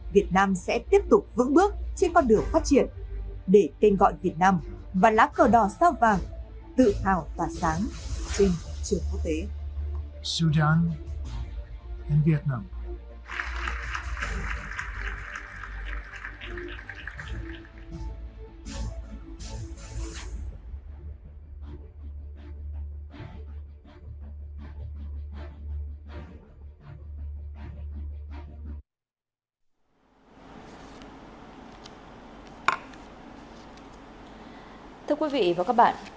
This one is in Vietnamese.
việt nam sẽ tiếp tục vững bước trên con đường phát triển để kênh gọi việt nam và lá cờ đỏ sao vàng tự hào tỏa sáng trên trường quốc tế